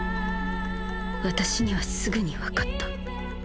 私にはすぐにわかった。